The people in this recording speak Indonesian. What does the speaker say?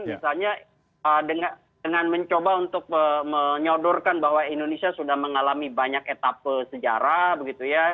misalnya dengan mencoba untuk menyodorkan bahwa indonesia sudah mengalami banyak etapa sejarah begitu ya